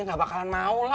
enggak bakalan maulah